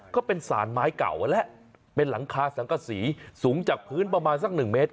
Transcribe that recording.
ก็เป็นสารไม้เก่านั่นแหละเป็นหลังคาสังกษีสูงจากพื้นประมาณสักหนึ่งเมตร